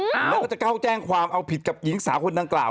แล้วก็จะเข้าแจ้งความเอาผิดกับหญิงสาวคนดังกล่าว